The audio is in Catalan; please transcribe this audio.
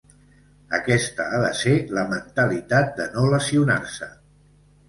Aquesta ha de ser la mentalitat, de no lesionar-se.